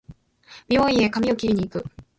美容院へ髪を切りに行く